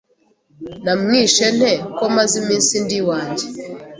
namwishe nte ko maze iminsi ndi iwanjye